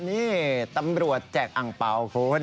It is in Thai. นี่ตำรวจแจ้งอังเปาคน